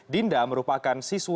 dinda merupakan siswa